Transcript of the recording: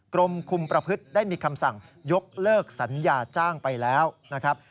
กรมคุมประพฤติได้มีคำสั่งยกเลิกสัญญาจ้างไปแล้วนะครับ